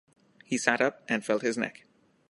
He sat up and felt his neck.